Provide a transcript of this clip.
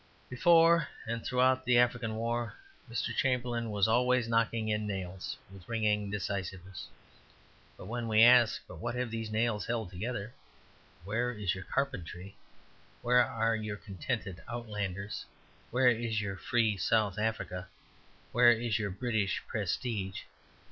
Before and throughout the African war, Mr. Chamberlain was always knocking in nails, with ringing decisiveness. But when we ask, "But what have these nails held together? Where is your carpentry? Where are your contented Outlanders? Where is your free South Africa? Where is your British prestige?